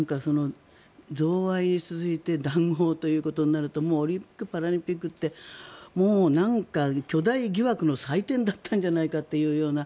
贈賄に続いて談合ということになるとオリンピック・パラリンピックってもうなんか巨大疑惑の祭典だったんじゃないかっていうような。